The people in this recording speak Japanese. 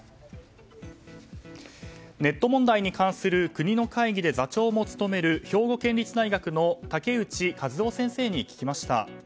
ネット問題に関する国の会議で座長も務める兵庫県立大学の竹内和雄先生に聞きました。